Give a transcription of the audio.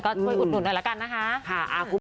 ก็ด้วยอุดหมุนกันแล้วกันนะคะค่ะ